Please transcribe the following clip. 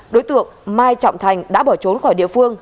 đối tượng mai trọng thành đã bỏ trốn khỏi địa phương